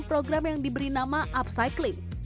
program yang diberi nama upcycling